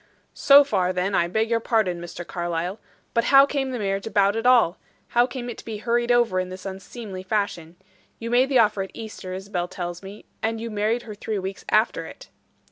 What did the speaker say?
"So far, then, I beg your pardon, Mr. Carlyle. But how came the marriage about at all how came it to be hurried over in this unseemly fashion? You made the offer at Easter, Isabel tells me, and you married her three weeks after it."